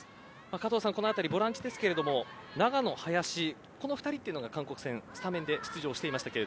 加藤さんこのあたりボランチですが長野、林この２人が韓国戦スタメンで出場していましたが。